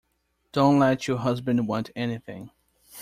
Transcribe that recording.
Don't let your husband want anything.